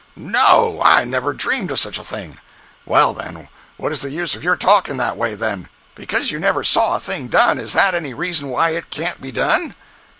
"No! I never dreamt of such a thing." "Well, then, what is the use of your talking that way, then? Because you never saw a thing done, is that any reason why it can't be done?"